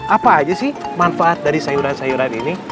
apa aja sih manfaat dari sayuran sayuran ini